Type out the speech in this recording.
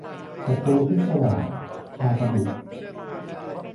ศัตรูพิศวาส - ชาตบุษย์